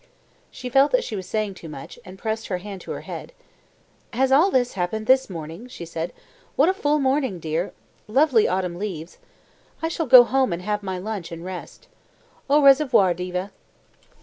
She felt that she was saying too much, and pressed her hand to her head. "Has all this happened this morning?" she said. "What a full morning, dear! Lovely autumn leaves! I shall go home and have my lunch and rest. Au reservoir, Diva."